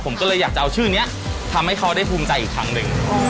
ผมก็เลยอยากจะเอาชื่อนี้ทำให้เขาได้ภูมิใจอีกครั้งหนึ่ง